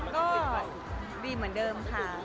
ก็ดีเหมือนเดิมค่ะ